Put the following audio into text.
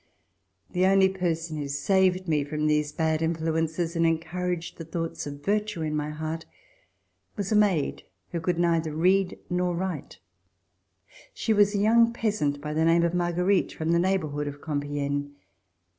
The only person who saved me from these bad influences, and en couraged the thoughts of virtue in my heart, was a maid who could neither read nor write. She was a young peasant, by the name of Marguerite, from the neighborhood of Compiegne.